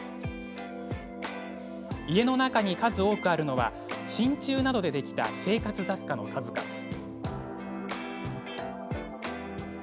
家の中に数多くあるのはしんちゅうなどでできた生活雑貨の数々。